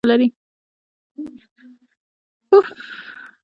فوټبال په افغانستان کې پخوانۍ مخینه لري.